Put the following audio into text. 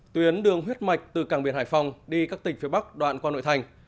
tuyến đường huyết mạch từ cảng biển hải phòng đi các tỉnh phía bắc đoạn qua nội thành